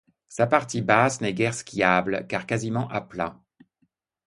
Sa partie basse n'est guère skiable car quasiment à plat.